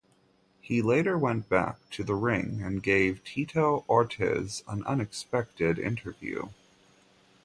He later went back to the ring and gave Tito Ortiz an unexpected interview.